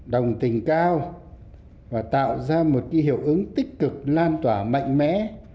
đồng tình cao và tạo ra một hiệu ứng tích cực lan tỏa mạnh mẽ